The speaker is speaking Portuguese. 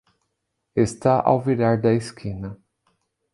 Está ao virar da esquina.